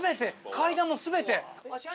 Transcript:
階段も全て。